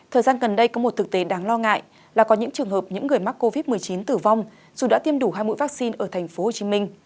thời gian gần đây có một thực tế đáng lo ngại là có những trường hợp những người mắc covid một mươi chín tử vong dù đã tiêm đủ hai mũi vaccine ở tp hcm